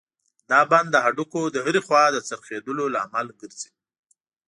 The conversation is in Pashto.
دا بند د هډوکو د هرې خوا د څرخېدلو لامل ګرځي.